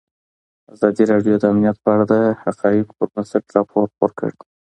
ازادي راډیو د امنیت په اړه د حقایقو پر بنسټ راپور خپور کړی.